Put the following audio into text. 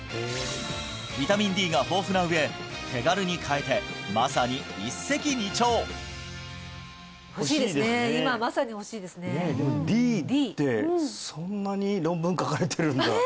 ビタミンＤが豊富な上手軽に買えてまさに一石二鳥欲しいですねでもＤってそんなに論文書かれてるんだ